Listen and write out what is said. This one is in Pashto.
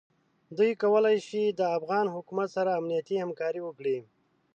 دوی کولای شي د افغان حکومت سره امنیتي همکاري وکړي.